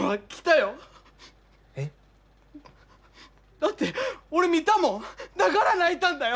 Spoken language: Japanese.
だって俺見たもんだから泣いたんだよ！